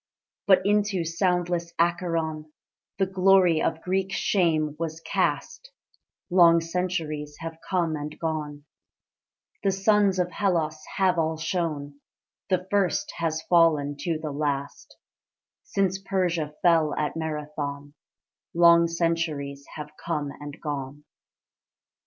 But into soundless Acheron The glory of Greek shame was cast: Long centuries have come and gone, The suns of Hellas have all shone, The first has fallen to the last: Since Persia fell at Marathon, Long centuries have come and gone.